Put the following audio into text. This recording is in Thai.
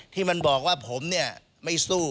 ที่มันบอกว่าผมเนี่ยไม่สู้